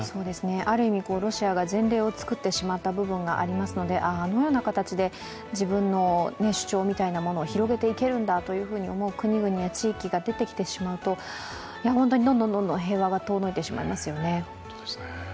ある意味、ロシアが前例を作ってしまった部分がありますのであのような形で自分の主張みたいなものを広げていけるんだと思う国々や地域が出てきてしまうと本当にどんどん平和が遠のいてしまいますよね。